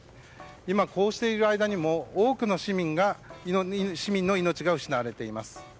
今、こうしている間にも多くの市民の命が失われています。